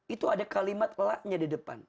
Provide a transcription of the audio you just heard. itu ada kalimat la nya di depan